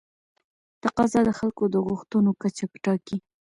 تقاضا د خلکو د غوښتنو کچه ټاکي.